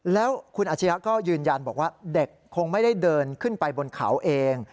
แล้วคุณอาชียะก็ยืนยันบอกว่าเด็กคงไม่ได้เดินขึ้นไปบนเขาเอง